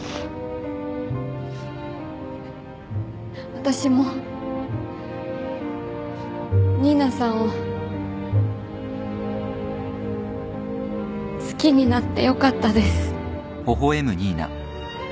私も新名さんを好きになってよかったです。